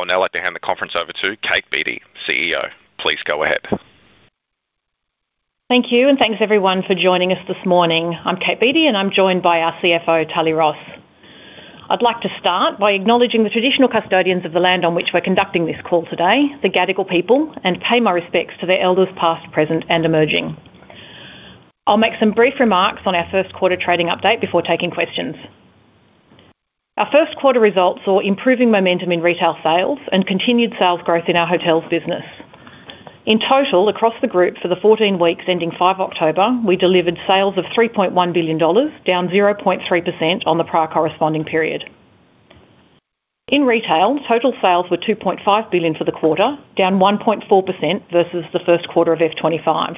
I'll now hand the conference over to Kate Beattie, CEO. Please go ahead. Thank you, and thanks everyone for joining us this morning. I'm Kate Beattie, and I'm joined by our CFO, Tali Ross. I'd like to start by acknowledging the traditional custodians of the land on which we're conducting this call today, the Gadigal people, and pay my respects to their elders past, present, and emerging. I'll make some brief remarks on our first quarter trading update before taking questions. Our first quarter results saw improving momentum in retail sales and continued sales growth in our hotels business. In total, across the group for the 14 weeks ending 5 October, we delivered sales of $3.1 billion, down 0.3% on the prior corresponding period. In retail, total sales were $2.5 billion for the quarter, down 1.4% versus the first quarter of 2025.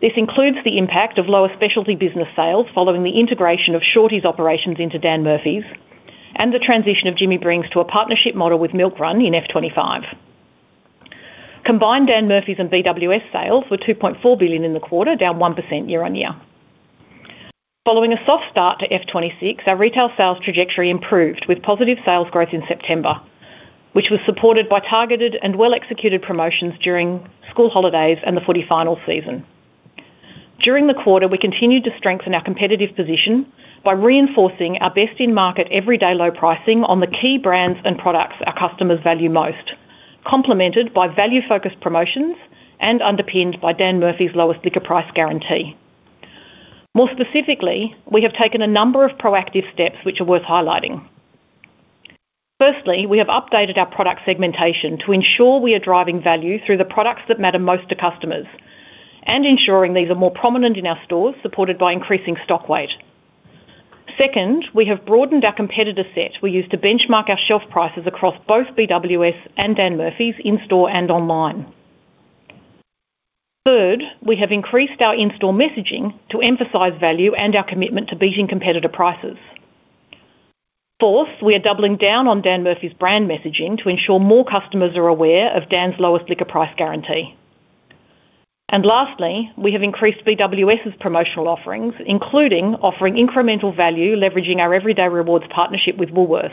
This includes the impact of lower specialty business sales following the integration of Shorty's operations into Dan Murphy's and the transition of Jimmy Brings to a partnership model with MILKRUN in 2025. Combined Dan Murphy's and BWS sales were $2.4 billion in the quarter, down 1% year-on-year. Following a soft start to 2026, our retail sales trajectory improved with positive sales growth in September, which was supported by targeted and well-executed promotions during school holidays and the footy finals season. During the quarter, we continued to strengthen our competitive position by reinforcing our best-in-market everyday low pricing on the key brands and products our customers value most, complemented by value-focused promotions and underpinned by Dan Murphy's lowest liquor price guarantee. More specifically, we have taken a number of proactive steps which are worth highlighting. Firstly, we have updated our product segmentation to ensure we are driving value through the products that matter most to customers and ensuring these are more prominent in our stores, supported by increasing stock weight. Second, we have broadened our competitor set we use to benchmark our shelf prices across both BWS and Dan Murphy's in-store and online. Third, we have increased our in-store messaging to emphasize value and our commitment to beating competitor prices. Fourth, we are doubling down on Dan Murphy's brand messaging to ensure more customers are aware of Dan's lowest liquor price guarantee. Lastly, we have increased BWS's promotional offerings, including offering incremental value leveraging our Everyday Rewards partnership with Woolworths.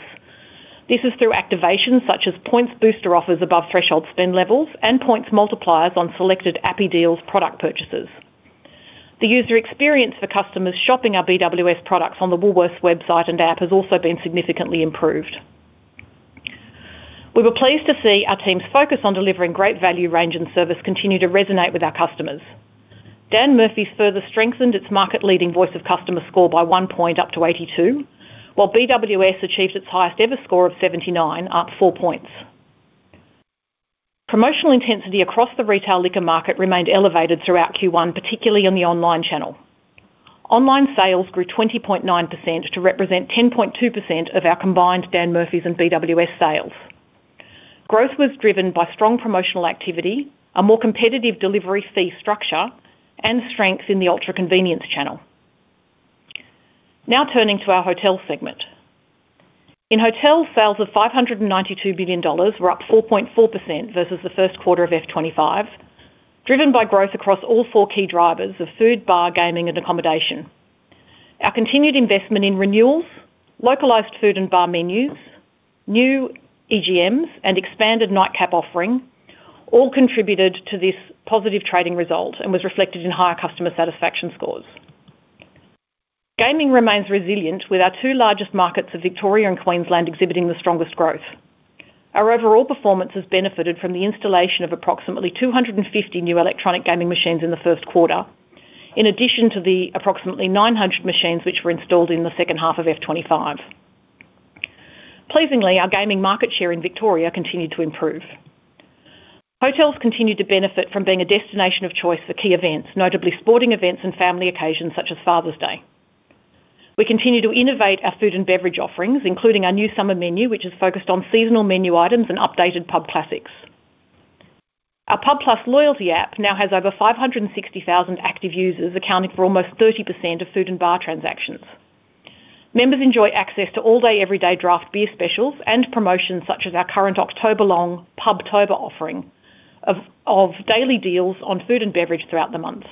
This is through activations such as points booster offers above threshold spend levels and points multipliers on selected API deals product purchases. The user experience for customers shopping our BWS products on the Woolworths website and app has also been significantly improved. We were pleased to see our team's focus on delivering great value, range, and service continue to resonate with our customers. Dan Murphy's further strengthened its market-leading voice of customer score by one point, up to 82, while BWS achieved its highest-ever score of 79, up four points. Promotional intensity across the retail liquor market remained elevated throughout Q1, particularly on the online channel. Online sales grew 20.9% to represent 10.2% of our combined Dan Murphy's and BWS sales. Growth was driven by strong promotional activity, a more competitive delivery fee structure, and strength in the ultra convenience channel. Now turning to our hotel segment. In hotels, sales of $592 million were up 4.4% versus the first quarter of 2025, driven by growth across all four key drivers of food, bar, gaming, and accommodation. Our continued investment in renewals, localized food and bar menus, new EGMs, and expanded nightcap offering all contributed to this positive trading result and was reflected in higher customer satisfaction scores. Gaming remains resilient, with our two largest markets of Victoria and Queensland exhibiting the strongest growth. Our overall performance has benefited from the installation of approximately 250 new electronic gaming machines in the first quarter, in addition to the approximately 900 machines which were installed in the second half of 2025. Pleasingly, our gaming market share in Victoria continued to improve. Hotels continue to benefit from being a destination of choice for key events, notably sporting events and family occasions such as Father's Day. We continue to innovate our food and beverage offerings, including our new summer menu which is focused on seasonal menu items and updated pub classics. Our pub+ loyalty app now has over 560,000 active users, accounting for almost 30% of food and bar transactions. Members enjoy access to all-day, everyday draft beer specials and promotions such as our current October-long Pub Tober offering of daily deals on food and beverage throughout the month.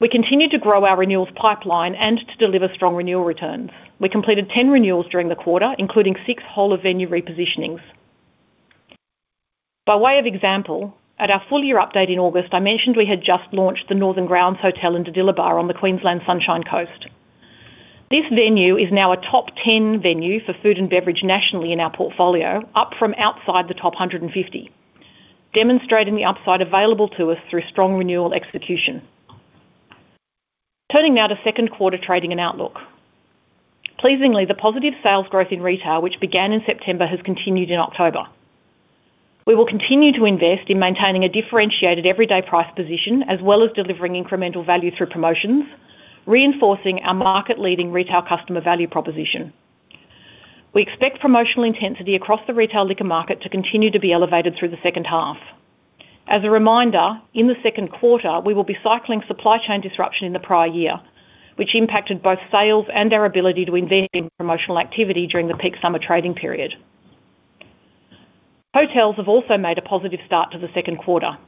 We continue to grow our renewals pipeline and to deliver strong renewal returns. We completed 10 renewals during the quarter, including six whole-of-venue repositionings. By way of example, at our full-year update in August, I mentioned we had just launched the Northern Grounds Hotel in Diddillibah on the Queensland Sunshine Coast. This venue is now a top 10 venue for food and beverage nationally in our portfolio, up from outside the top 150, demonstrating the upside available to us through strong renewal execution. Turning now to second quarter trading and outlook. Pleasingly, the positive sales growth in retail which began in September has continued in October. We will continue to invest in maintaining a differentiated everyday price position as well as delivering incremental value through promotions, reinforcing our market-leading retail customer value proposition. We expect promotional intensity across the retail liquor market to continue to be elevated through the second half. As a reminder, in the second quarter, we will be cycling supply chain disruption in the prior year, which impacted both sales and our ability to invest in promotional activity during the peak summer trading period. Hotels have also made a positive start to the second quarter.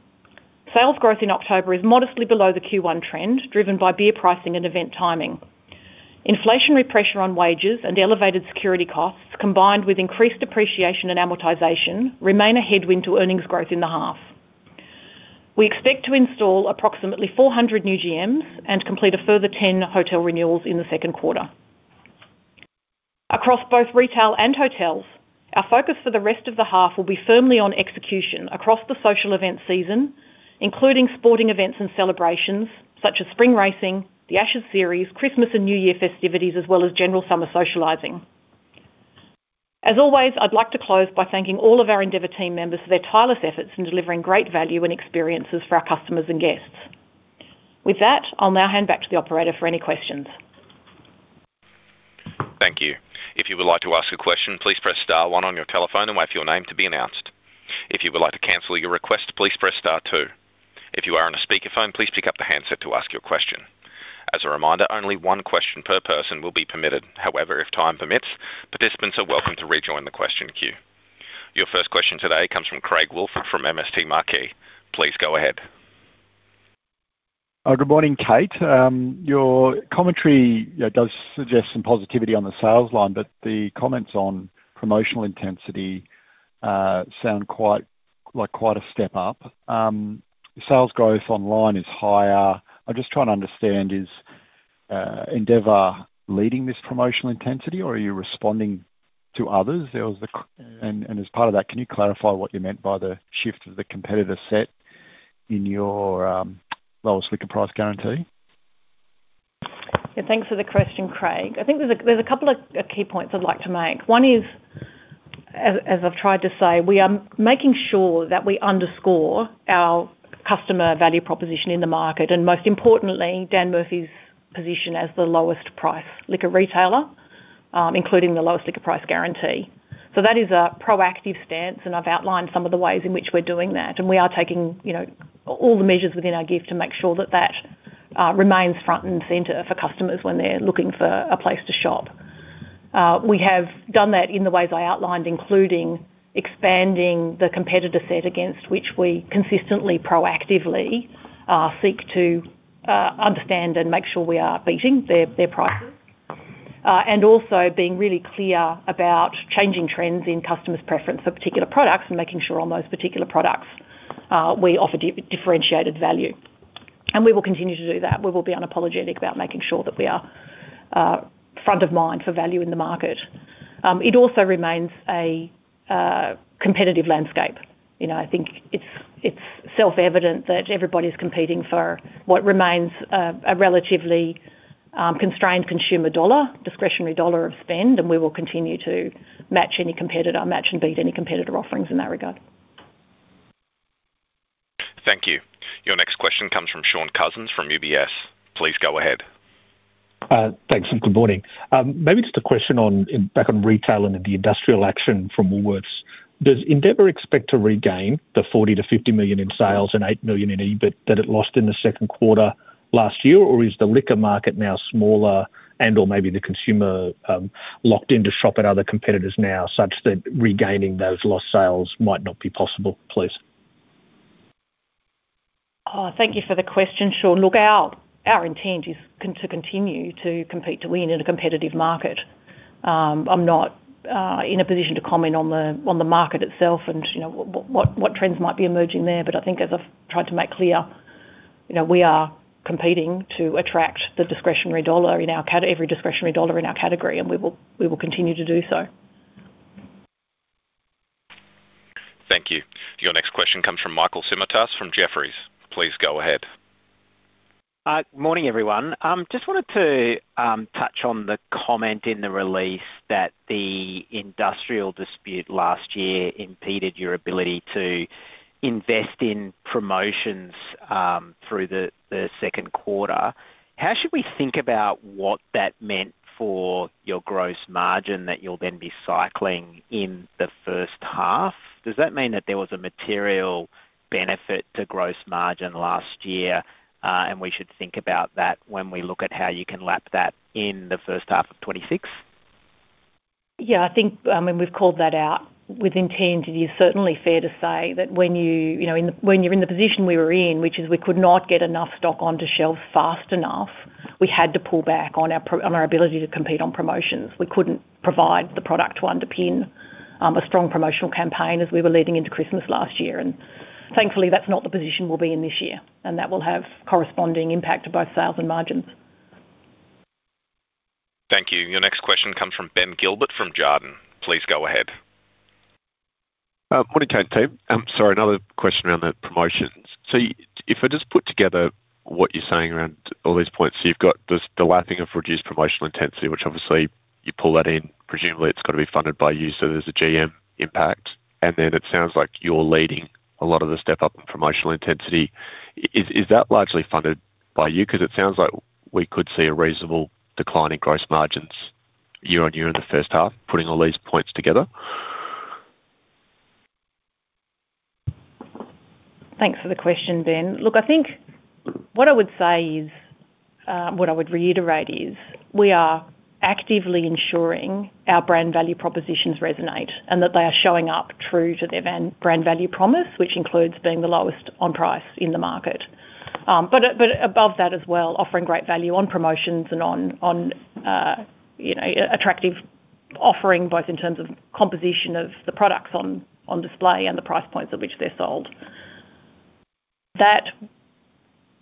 Sales growth in October is modestly below the Q1 trend, driven by beer pricing and event timing. Inflationary pressure on wages and elevated security costs, combined with increased depreciation and amortization, remain a headwind to earnings growth in the half. We expect to install approximately 400 new EGMs and complete a further 10 hotel renewals in the second quarter. Across both retail and hotels, our focus for the rest of the half will be firmly on execution across the social event season, including sporting events and celebrations such as spring racing, the Ashes Series, Christmas and New Year festivities, as well as general summer socializing. As always, I'd like to close by thanking all of our Endeavour team members for their tireless efforts in delivering great value and experiences for our customers and guests. With that, I'll now hand back to the operator for any questions. Thank you. If you would like to ask a question, please press star one on your telephone and wait for your name to be announced. If you would like to cancel your request, please press star two. If you are on a speakerphone, please pick up the handset to ask your question. As a reminder, only one question per person will be permitted. However, if time permits, participants are welcome to rejoin the question queue. Your first question today comes from Craig Woolford from MST Marquee. Please go ahead. Good morning, Kate. Your commentary does suggest some positivity on the sales line, but the comments on promotional intensity sound quite like quite a step up. Sales growth online is higher. I'm just trying to understand, is Endeavour leading this promotional intensity, or are you responding to others? As part of that, can you clarify what you meant by the shift of the competitor set in your lowest liquor price guarantee? Yeah, thanks for the question, Craig. I think there's a couple of key points I'd like to make. One is, as I've tried to say, we are making sure that we underscore our customer value proposition in the market and, most importantly, Dan Murphy's position as the lowest price liquor retailer, including the lowest liquor price guarantee. That is a proactive stance, and I've outlined some of the ways in which we're doing that. We are taking all the measures within our gift to make sure that remains front and center for customers when they're looking for a place to shop. We have done that in the ways I outlined, including expanding the competitor set against which we consistently proactively seek to understand and make sure we are beating their prices. Also, being really clear about changing trends in customers' preference for particular products and making sure on those particular products we offer differentiated value. We will continue to do that. We will be unapologetic about making sure that we are front of mind for value in the market. It also remains a competitive landscape. I think it's self-evident that everybody's competing for what remains a relatively constrained consumer dollar, discretionary dollar of spend, and we will continue to match any competitor, match and beat any competitor offerings in that regard. Thank you. Your next question comes from Shaun Cousins from UBS. Please go ahead. Thanks. Good morning. Maybe just a question back on retail and the industrial action from Woolworths. Does Endeavour expect to regain the $40 million-$50 million in sales and $8 million in EBIT that it lost in the second quarter last year, or is the liquor market now smaller and/or maybe the consumer locked in to shop at other competitors now such that regaining those lost sales might not be possible? Please. Thank you for the question. Sure. Look, our intent is to continue to compete to win in a competitive market. I'm not in a position to comment on the market itself and what trends might be emerging there, but I think, as I've tried to make clear, we are competing to attract the discretionary dollar, every discretionary dollar in our category, and we will continue to do so. Thank you. Your next question comes from Michael Simotas from Jefferies. Please go ahead. Good morning, everyone. I just wanted to touch on the comment in the release that the industrial dispute last year impeded your ability to invest in promotions through the second quarter. How should we think about what that meant for your gross margin that you'll then be cycling in the first half? Does that mean that there was a material benefit to gross margin last year, and we should think about that when we look at how you can lap that in the first half of 2026? I think, I mean, we've called that out with intent. It is certainly fair to say that when you're in the position we were in, which is we could not get enough stock onto shelves fast enough, we had to pull back on our ability to compete on promotions. We couldn't provide the product to underpin a strong promotional campaign as we were leading into Christmas last year. Thankfully, that's not the position we'll be in this year, and that will have corresponding impact to both sales and margins. Thank you. Your next question comes from Ben Gilbert from Jarden. Please go ahead. Morning, Kate. Sorry, another question around the promotions. If I just put together what you're saying around all these points, you've got the lapping of reduced promotional intensity, which obviously you pull that in, presumably it's got to be funded by you, so there's a GM impact. It sounds like you're leading a lot of the step-up in promotional intensity. Is that largely funded by you? It sounds like we could see a reasonable decline in gross margins year-on-year in the first half, putting all these points together. Thanks for the question, Ben. What I would reiterate is we are actively ensuring our brand value propositions resonate and that they are showing up true to their brand value promise, which includes being the lowest on price in the market. Above that as well, offering great value on promotions and on attractive offering, both in terms of composition of the products on display and the price points at which they're sold. That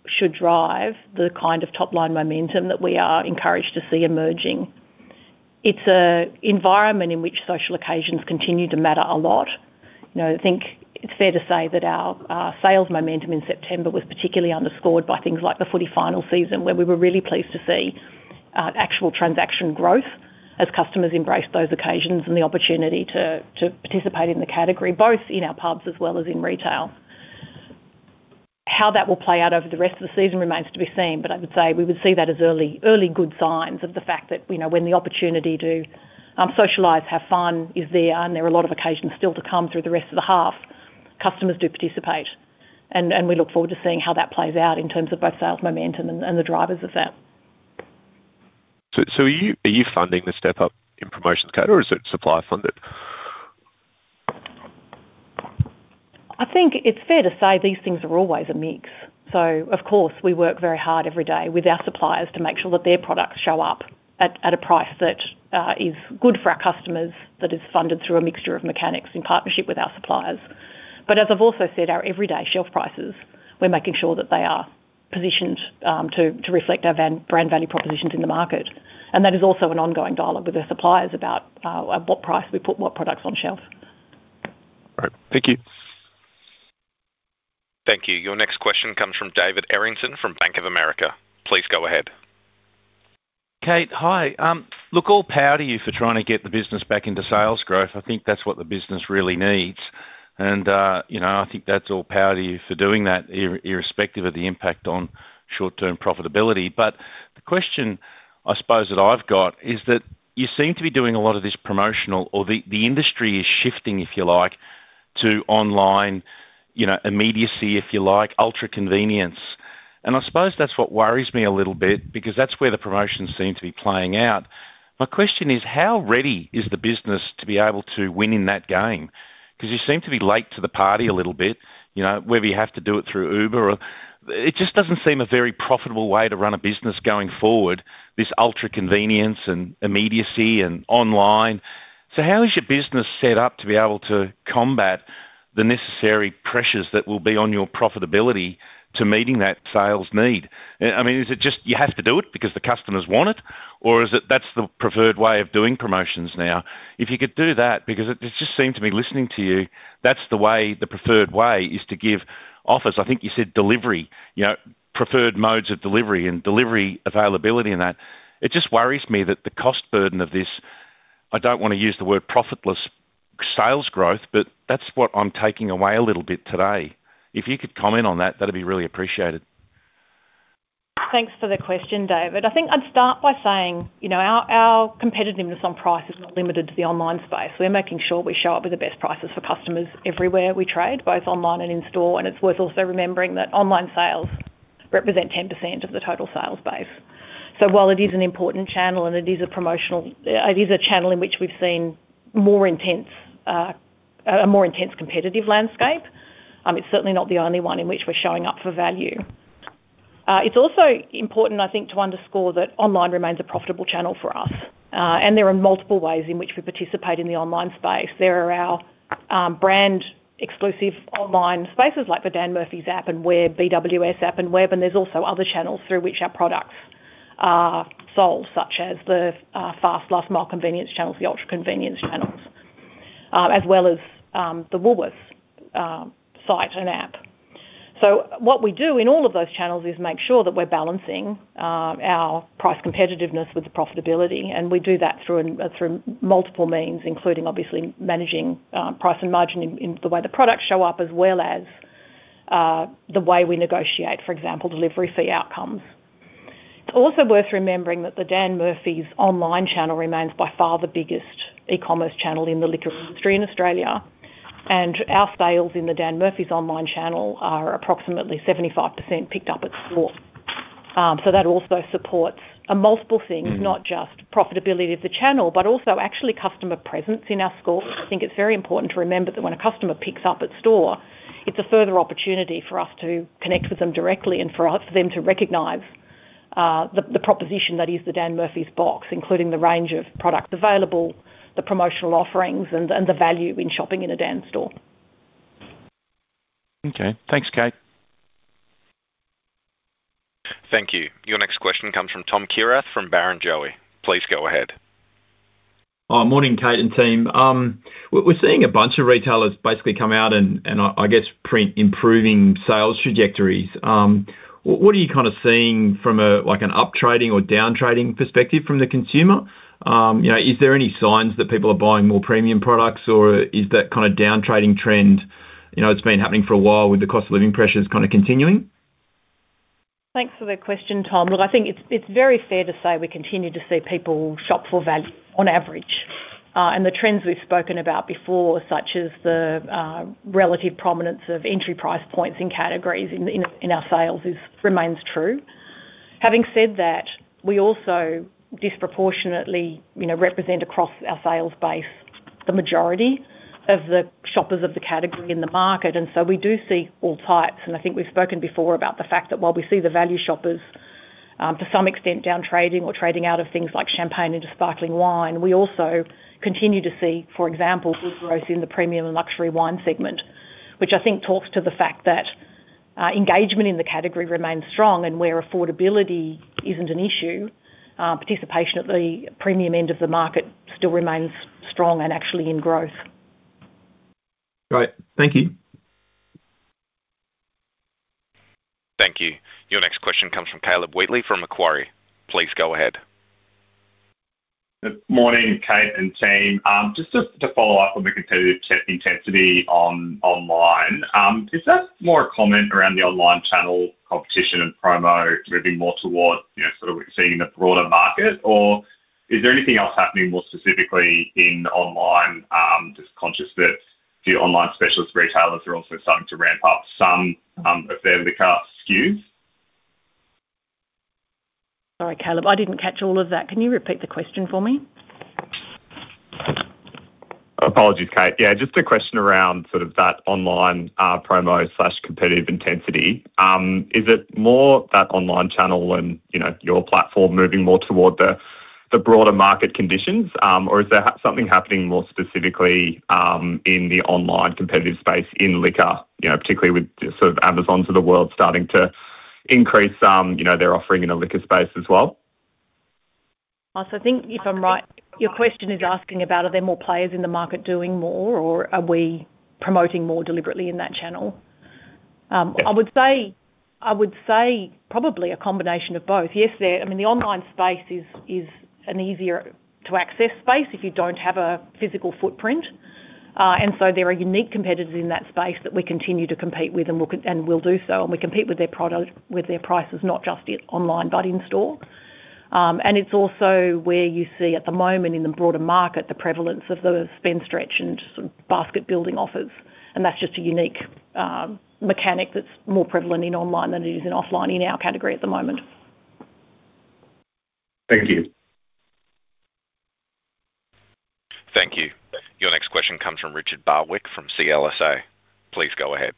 should drive the kind of top-line momentum that we are encouraged to see emerging. It's an environment in which social occasions continue to matter a lot. I think it's fair to say that our sales momentum in September was particularly underscored by things like the footy final season, where we were really pleased to see actual transaction growth as customers embraced those occasions and the opportunity to participate in the category, both in our pubs as well as in retail. How that will play out over the rest of the season remains to be seen, but I would say we would see that as early good signs of the fact that when the opportunity to socialize, have fun is there, and there are a lot of occasions still to come through the rest of the half, customers do participate. We look forward to seeing how that plays out in terms of both sales momentum and the drivers of that. Are you funding the step-up in promotions, Kate, or is it supplier-funded? I think it's fair to say these things are always a mix. Of course, we work very hard every day with our suppliers to make sure that their products show up at a price that is good for our customers, that is funded through a mixture of mechanics in partnership with our suppliers. As I've also said, our everyday shelf prices, we're making sure that they are positioned to reflect our brand value propositions in the market. That is also an ongoing dialogue with our suppliers about at what price we put what products on shelf. All right. Thank you. Thank you. Your next question comes from David Errington from Bank of America. Please go ahead. Kate, hi. All power to you for trying to get the business back into sales growth. I think that's what the business really needs. All power to you for doing that, irrespective of the impact on short-term profitability. The question, I suppose, that I've got is that you seem to be doing a lot of this promotional, or the industry is shifting, if you like, to online. Immediacy, if you like, ultra convenience. I suppose that's what worries me a little bit because that's where the promotions seem to be playing out. My question is, how ready is the business to be able to win in that game? You seem to be late to the party a little bit, whether you have to do it through Uber. It just doesn't seem a very profitable way to run a business going forward, this ultra convenience and immediacy and online. How is your business set up to be able to combat the necessary pressures that will be on your profitability to meeting that sales need? Is it just you have to do it because the customers want it, or is it that's the preferred way of doing promotions now? If you could do that, because it just seemed to me, listening to you, that's the way, the preferred way is to give offers. I think you said delivery, preferred modes of delivery and delivery availability and that. It just worries me that the cost burden of this, I don't want to use the word profitless sales growth, but that's what I'm taking away a little bit today. If you could comment on that, that'd be really appreciated. Thanks for the question, David. I think I'd start by saying our competitiveness on price is not limited to the online space. We're making sure we show up with the best prices for customers everywhere we trade, both online and in store. It's worth also remembering that online sales represent 10% of the total sales base. While it is an important channel and it is a promotional, it is a channel in which we've seen a more intense competitive landscape, it's certainly not the only one in which we're showing up for value. It's also important, I think, to underscore that online remains a profitable channel for us. There are multiple ways in which we participate in the online space. There are our brand-exclusive online spaces like the Dan Murphy's app and web, BWS app and web, and there's also other channels through which our products are sold, such as the fast, last-mile convenience channels, the ultra convenience channels, as well as the Woolworths site and app. What we do in all of those channels is make sure that we're balancing our price competitiveness with the profitability. We do that through multiple means, including, obviously, managing price and margin in the way the products show up, as well as the way we negotiate, for example, delivery fee outcomes. It's also worth remembering that the Dan Murphy's online channel remains by far the biggest e-commerce channel in the liquor industry in Australia. Our sales in the Dan Murphy's online channel are approximately 75% picked up at store. That also supports multiple things, not just profitability of the channel, but also actually customer presence in our store. I think it's very important to remember that when a customer picks up at store, it's a further opportunity for us to connect with them directly and for them to recognize the proposition that is the Dan Murphy's box, including the range of products available, the promotional offerings, and the value in shopping in a Dan store. Okay, thanks, Kate. Thank you. Your next question comes from Tom Kierath from Barrenjoey. Please go ahead. Morning, Kate and team. We're seeing a bunch of retailers basically come out and, I guess, print improving sales trajectories. What are you kind of seeing from an up-trading or down-trading perspective from the consumer? Is there any signs that people are buying more premium products, or is that kind of down-trading trend? It's been happening for a while with the cost of living pressures kind of continuing. Thanks for the question, Tom. Look, I think it's very fair to say we continue to see people shop for value on average, and the trends we've spoken about before, such as the relative prominence of entry price points in categories in our sales, remains true. Having said that, we also disproportionately represent across our sales base the majority of the shoppers of the category in the market, so we do see all types. I think we've spoken before about the fact that while we see the value shoppers to some extent down-trading or trading out of things like champagne into sparkling wine, we also continue to see, for example, good growth in the premium and luxury wine segment, which I think talks to the fact that engagement in the category remains strong and where affordability isn't an issue, participation at the premium end of the market still remains strong and actually in growth. Great. Thank you. Thank you. Your next question comes from Caleb Wheatley from Macquarie. Please go ahead. Morning, Kate and team. Just to follow up on the competitive intensity online, is that more a comment around the online channel competition and promo moving more towards sort of what you're seeing in the broader market, or is there anything else happening more specifically in online, just conscious that the online specialist retailers are also starting to ramp up some of their liquor SKUs? Sorry, Caleb, I didn't catch all of that. Can you repeat the question for me? Apologies, Kate. Just a question around that online promo or competitive intensity. Is it more that online channel and your platform moving more toward the broader market conditions, or is there something happening more specifically in the online competitive space in liquor, particularly with Amazons of the world starting to increase their offering in a liquor space as well? I think, if I'm right, your question is asking about, are there more players in the market doing more, or are we promoting more deliberately in that channel? I would say probably a combination of both. Yes, I mean, the online space is an easier-to-access space if you don't have a physical footprint. There are unique competitors in that space that we continue to compete with, and we'll do so. We compete with their prices, not just online, but in store. It's also where you see at the moment in the broader market the prevalence of the spend stretch and sort of basket-building offers. That's just a unique mechanic that's more prevalent in online than it is in offline in our category at the moment. Thank you. Thank you. Your next question comes from Richard Barwick from CLSA. Please go ahead.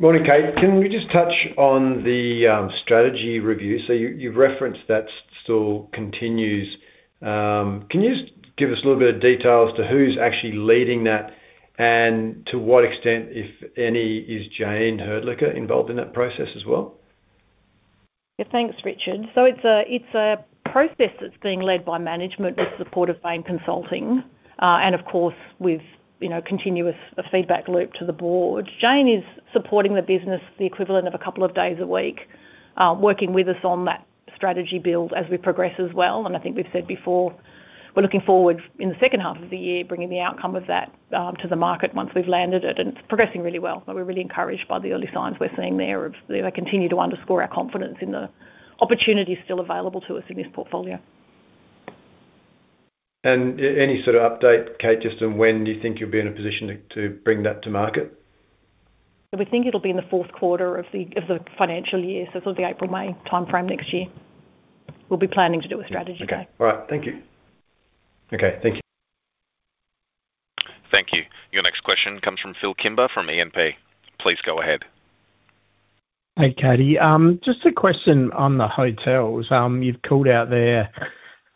Morning, Kate. Can we just touch on the strategic review? You've referenced that still continues. Can you give us a little bit of detail as to who's actually leading that and to what extent, if any, is Jayne Hrdlicka involved in that process as well? Yeah, thanks, Richard. It's a process that's being led by management with support of Bain Consulting and, of course, with a continuous feedback loop to the board. Jayne is supporting the business the equivalent of a couple of days a week, working with us on that strategy build as we progress as well. I think we've said before, we're looking forward in the second half of the year to bringing the outcome of that to the market once we've landed it. It's progressing really well. We're really encouraged by the early signs we're seeing there that continue to underscore our confidence in the opportunity still available to us in this portfolio. have any sort of update, Kate, just on when you think you'll be in a position to bring that to market? We think it'll be in the fourth quarter of the financial year, so the April, May timeframe next year. We'll be planning to do a strategy check. Okay. All right. Thank you. Okay. Thank you. Thank you. Your next question comes from Phil Kimber from E&P. Please go ahead. Hey, Katie. Just a question on the hotels. You've called out there,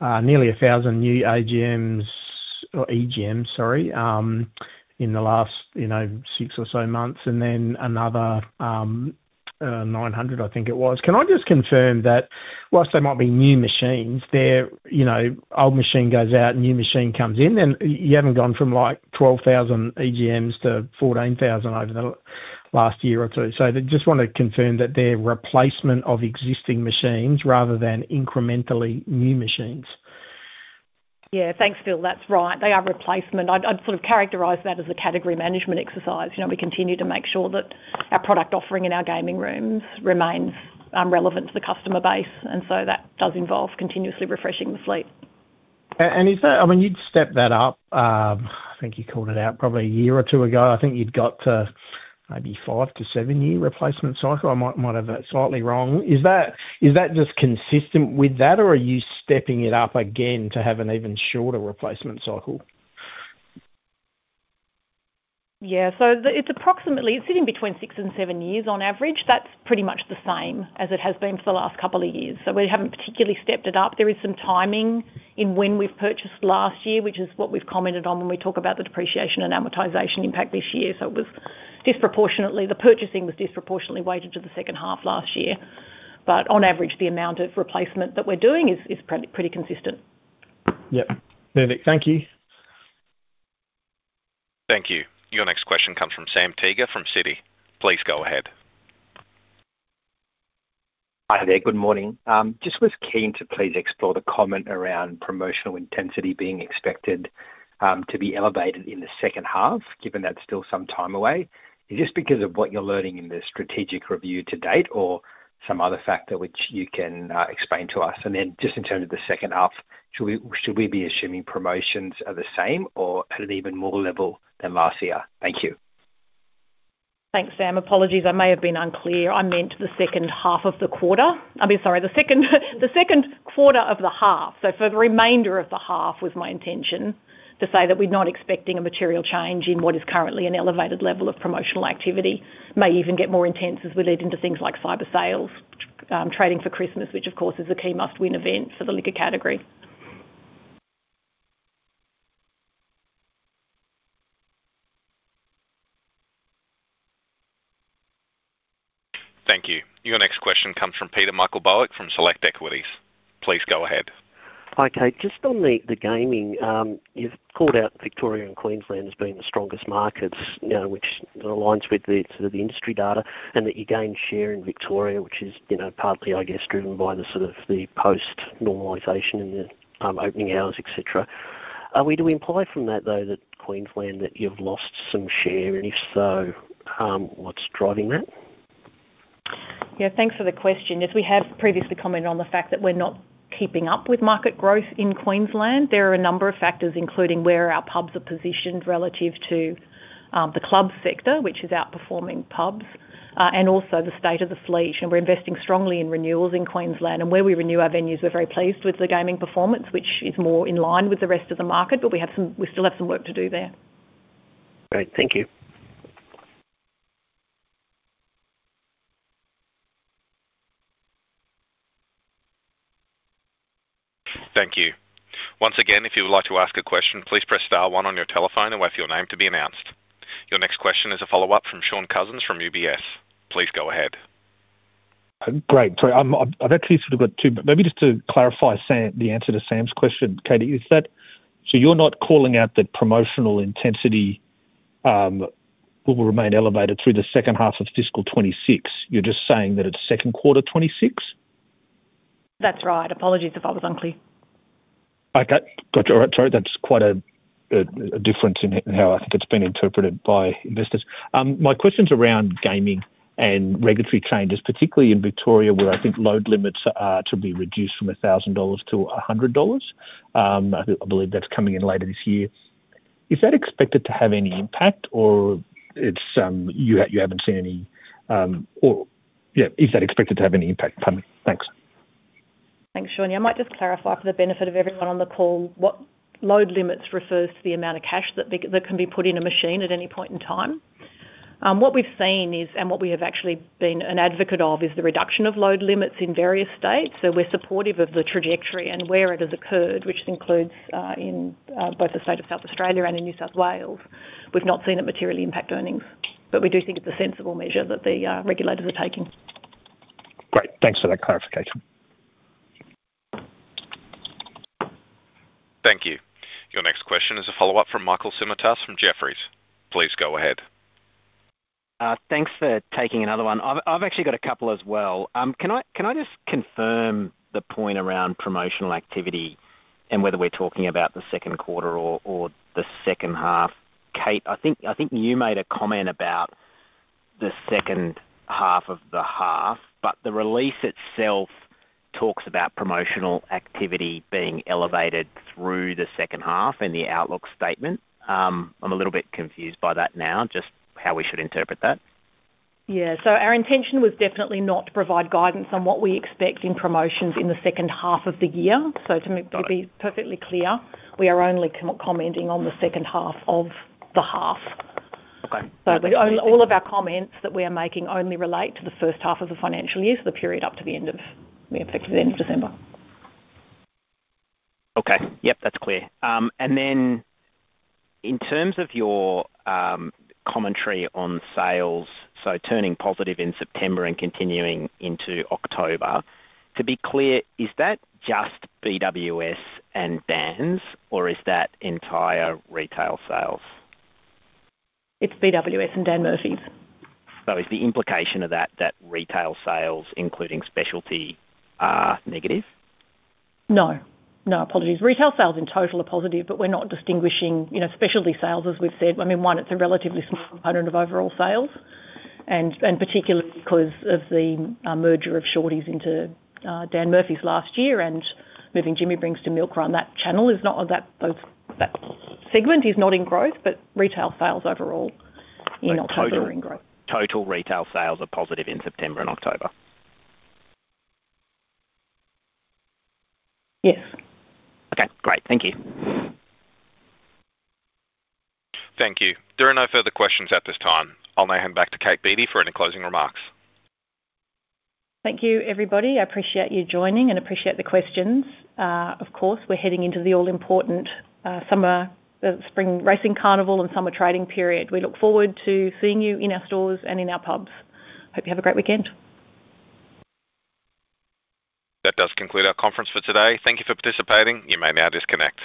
nearly 1,000 new EGMs in the last six or so months, and then another 900, I think it was. Can I just confirm that whilst they might be new machines, their old machine goes out, new machine comes in, and you haven't gone from like 12,000 EGMs to 14,000 over the last year or two? They just want to confirm that they're replacement of existing machines rather than incrementally new machines. Yeah, thanks, Phil. That's right. They are replacement. I'd sort of characterize that as a category management exercise. We continue to make sure that our product offering in our gaming rooms remains relevant to the customer base, so that does involve continuously refreshing the fleet. You'd step that up. I think you called it out probably a year or two ago. I think you'd got to maybe five to seven-year replacement cycle. I might have it slightly wrong. Is that just consistent with that, or are you stepping it up again to have an even shorter replacement cycle? Yeah. It's approximately, it's sitting between six and seven years on average. That's pretty much the same as it has been for the last couple of years. We haven't particularly stepped it up. There is some timing in when we've purchased last year, which is what we've commented on when we talk about the depreciation and amortization impact this year. It was disproportionately, the purchasing was disproportionately weighted to the second half last year. On average, the amount of replacement that we're doing is pretty consistent. Yep. Perfect. Thank you. Thank you. Your next question comes from Sam Teeger from Citi. Please go ahead. Hi there. Good morning. Just was keen to please explore the comment around promotional intensity being expected to be elevated in the second half, given that's still some time away. Is this because of what you're learning in the strategic review to date, or some other factor which you can explain to us? In terms of the second half, should we be assuming promotions are the same, or at an even more level than last year? Thank you. Thanks, Sam. Apologies, I may have been unclear. I meant the second half of the quarter, the second quarter of the half. For the remainder of the half, it was my intention to say that we're not expecting a material change in what is currently an elevated level of promotional activity. It may even get more intense as we lead into things like cyber sales, trading for Christmas, which of course is a key must-win event for the liquor category. Thank you. Your next question comes from Peter Michael Bowick from Select Equities. Please go ahead. Hi, Kate. Just on the gaming, you've called out Victoria and Queensland as being the strongest markets, which aligns with the sort of industry data and that you gained share in Victoria, which is partly, I guess, driven by the sort of post-normalization and the opening hours, etc. Are we to imply from that, though, that Queensland, that you've lost some share? If so, what's driving that? Yeah, thanks for the question. As we have previously commented on the fact that we're not keeping up with market growth in Queensland, there are a number of factors, including where our pubs are positioned relative to the club sector, which is outperforming pubs, and also the state of the fleet. We're investing strongly in renewals in Queensland, and where we renew our venues, we're very pleased with the gaming performance, which is more in line with the rest of the market, but we still have some work to do there. Great. Thank you. Thank you. Once again, if you would like to ask a question, please press star one on your telephone and wait for your name to be announced. Your next question is a follow-up from Shaun Cousins from UBS. Please go ahead. Great. Sorry, I've actually got two. Maybe just to clarify the answer to Sam's question, Kate, is that so you're not calling out that promotional intensity will remain elevated through the second half of fiscal 2026. You're just saying that it's second quarter 2026? That's right. Apologies if I was unclear. Okay. Gotcha. All right. Sorry. That's quite a difference in how I think it's been interpreted by investors. My question's around gaming and regulatory changes, particularly in Victoria, where I think load limits are to be reduced from $1,000 to $100. I believe that's coming in later this year. Is that expected to have any impact, or you haven't seen any? Or yeah, is that expected to have any impact? Pardon me. Thanks. Thanks, Shaun. I might just clarify for the benefit of everyone on the call, what load limits refers to is the amount of cash that can be put in a machine at any point in time. What we've seen is, and what we have actually been an advocate of, is the reduction of load limits in various states. We're supportive of the trajectory and where it has occurred, which includes in both the state of South Australia and in New South Wales. We've not seen it materially impact earnings, but we do think it's a sensible measure that the regulators are taking. Great. Thanks for that clarification. Thank you. Your next question is a follow-up from Michael Simotas from Jefferies. Please go ahead. Thanks for taking another one. I've actually got a couple as well. Can I just confirm the point around promotional activity and whether we're talking about the second quarter or the second half? Kate, I think you made a comment about the second half of the half, but the release itself talks about promotional activity being elevated through the second half in the outlook statement. I'm a little bit confused by that now, just how we should interpret that. Our intention was definitely not to provide guidance on what we expect in promotions in the second half of the year. To be perfectly clear, we are only commenting on the second half of the half. All of our comments that we are making only relate to the first half of the financial year, the period up to, effectively, the end of December. Okay, that's clear. In terms of your commentary on sales, so turning positive in September and continuing into October, to be clear, is that just BWS and Dan's, or is that entire retail sales? It's BWS and Dan Murphy's. Is the implication of that that retail sales, including specialty, are negative? No, apologies. Retail sales in total are positive, but we're not distinguishing specialty sales, as we've said. I mean, one, it's a relatively small component of overall sales, and particularly because of the merger of Shorty's Liquor into Dan Murphy's last year and moving Jimmy Brings to MILKRUN. That segment is not in growth, but retail sales overall in October are in growth. Total retail sales are positive in September and October? Yes. Okay. Great. Thank you. Thank you. There are no further questions at this time. I'll now hand back to Kate Beattie for any closing remarks. Thank you, everybody. I appreciate you joining and appreciate the questions. Of course, we're heading into the all-important spring racing carnival and summer trading period. We look forward to seeing you in our stores and in our pubs. Hope you have a great weekend. That does conclude our conference for today. Thank you for participating. You may now disconnect.